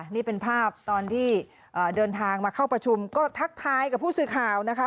นี่เป็นภาพตอนที่เดินทางมาเข้าประชุมก็ทักทายกับผู้สื่อข่าวนะคะ